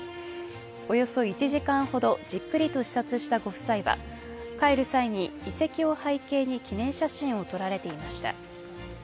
およそ１時間ほどじっくりと視察したご夫妻は帰る際に遺跡を背景に記念写真を撮られていました。